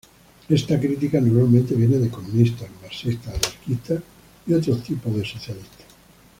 Esta critica normalmente viene de comunistas, marxistas, anarquistas y otros tipos de socialistas.